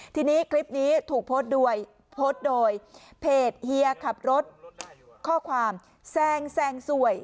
ทีนี้คลิปนี้ถูกโพสโดยเพจเฮียขับรถข้อความแซงแซงสวย